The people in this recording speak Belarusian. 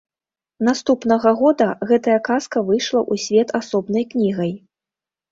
Наступнага года гэтая казка выйшла ў свет асобнай кнігай.